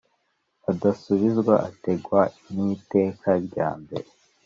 adasubizwa ateganywa n Iteka ryambere